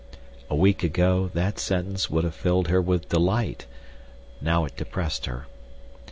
A week ago that sentence would have filled her with delight, now it depressed her.